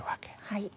はい。